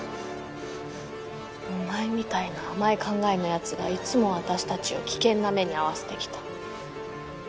お前みたいな甘い考えのヤツがいつも私たちを危険な目に遭わせてきた。